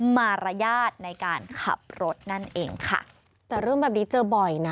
มารยาทในการขับรถนั่นเองค่ะแต่เรื่องแบบนี้เจอบ่อยนะ